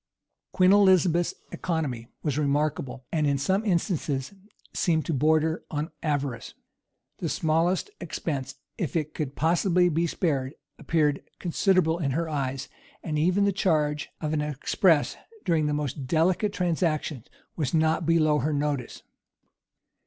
Queen Elizabeth's economy was remarkable; and in some instances seemed to border on avarice. The smallest expense, if it could possibly be spared, appeared considerable in her eyes; and even the charge of an express, during the most delicate transactions, was not below her notice.